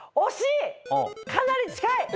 かなり近い！